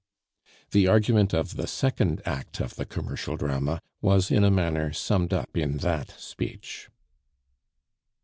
The argument of the second act of the commercial drama was in a manner summed up in that speech.